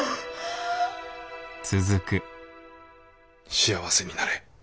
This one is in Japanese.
幸せになれ。